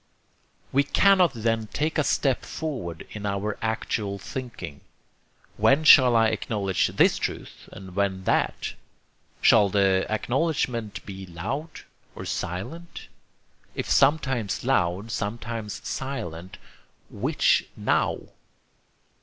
We cannot then take a step forward in our actual thinking. When shall I acknowledge this truth and when that? Shall the acknowledgment be loud? or silent? If sometimes loud, sometimes silent, which NOW?